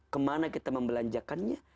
kemana kita membelanjakannya